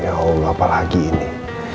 ya allah apa lagi ini